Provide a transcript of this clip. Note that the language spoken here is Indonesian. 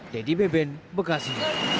dedy beben bekasi